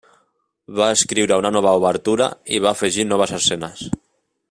Va escriure una nova obertura i va afegir noves escenes.